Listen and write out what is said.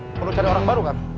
perlu cari orang baru kan